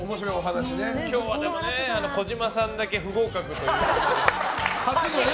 今日は小島さんだけ不合格ということでね。